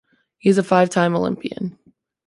He is a five-time Olympian.